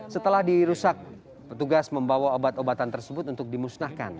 setelah dirusak petugas membawa obat obatan tersebut untuk dimusnahkan